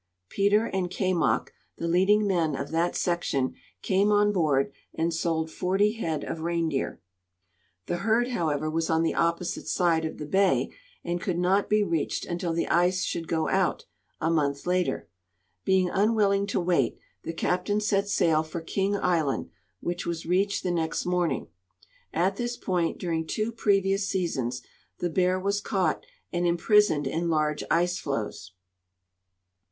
Peter and Kaimok, the leading men of that section, came on board and sold 40 head of reindeer. The herd, however, Avas on the opposite side of the baj' and could not be reached until the ice should go out, a month later. Being unAvilling to Avait, the captain set sail for King island, Avhich Avas reached the next morning. At tins point dur ing two previous seasons the Bear Avas caught and imprisoned in large ice floes.